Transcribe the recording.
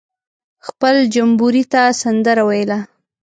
خپل جمبوري ته سندره ویله.